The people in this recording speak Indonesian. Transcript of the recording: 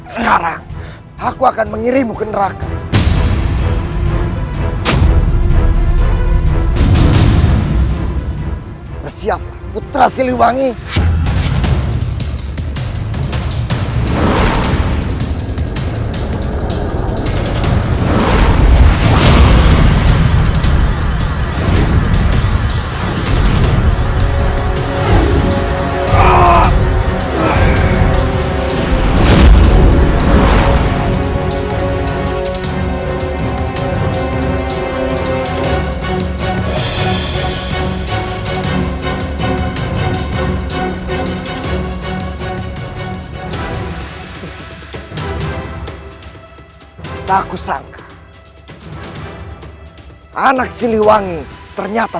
sampai jumpa di video selanjutnya